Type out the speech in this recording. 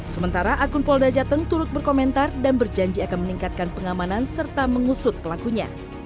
sementara akun polda jateng turut berkomentar dan berjanji akan meningkatkan pengamanan serta mengusut pelakunya